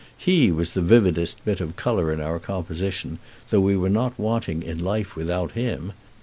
He was the vividest bit of color in our composition, though we were not wanting in life without him.